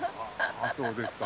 あそうですか。